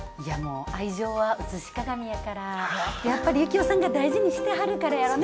愛情は写し鏡やから、やっぱり幸男さんが大事にしてはるからやろね。